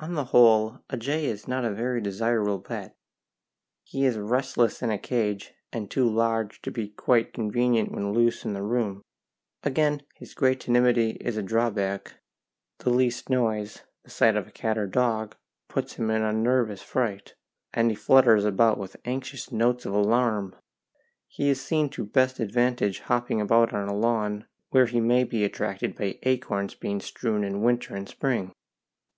On the whole, a jay is not a very desirable pet; he is restless in a cage, and too large to be quite convenient when loose in a room; again, his great timidity is a drawback the least noise, the sight of a cat or dog, puts him in a nervous fright, and he flutters about with anxious notes of alarm. He is seen to best advantage hopping about on a lawn, where he may be attracted by acorns being strewn in winter and spring.